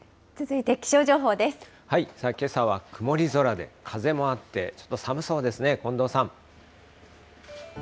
けさは曇り空で、風もあって、ちょっと寒そうですね、近藤さん。